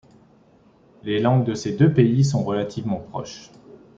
Les langues de ces deux pays sont relativement proches.